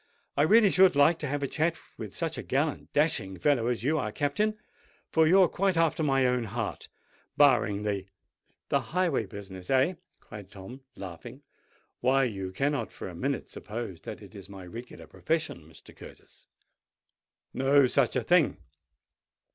"I really should like to have a chat with such a gallant, dashing fellow as you are, Captain; for you're quite after my own heart—barring the——" "The highway business—eh?" cried Tom, laughing. "Why, you cannot for a minute suppose that it is my regular profession, Mr. Curtis? No such a thing!